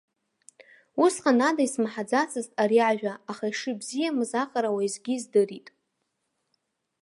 Усҟан ада исмаҳаӡацызт ари ажәа, аха ишыбзиамыз аҟара уеизгьы издырит.